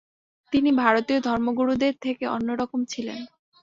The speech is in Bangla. তিনি ভারতীয় ধর্মগুরুদের থেকে অন্যরকম ছিলেন।